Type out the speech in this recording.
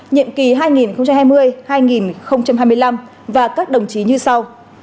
nhiệm kỳ hai nghìn hai mươi hai nghìn hai mươi năm và các đồng chí như sau